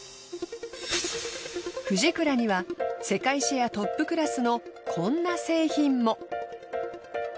フジクラには世界シェアトップクラスのこんな製品も。